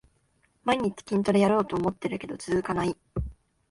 毎日筋トレやろうと思ってるけど続かない